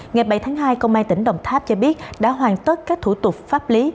ngày bảy tháng hai công an tỉnh đồng tháp cho biết đã hoàn tất các thủ tục pháp lý